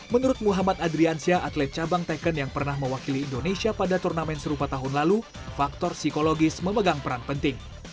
menurut muhammad adriansyah atlet cabang teken yang pernah mewakili indonesia pada turnamen serupa tahun lalu faktor psikologis memegang peran penting